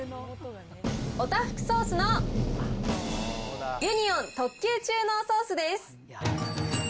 オタフクソースのユニオン特級中濃ソースです。